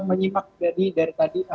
menyimak dari tadi